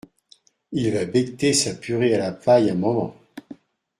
Il va becqueter sa purée à la paille un moment.